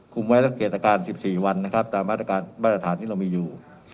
คุมไว้และเกร็ดอาการสิบสี่วันนะครับตามมาตรการบรรยาฐานที่เรามีอยู่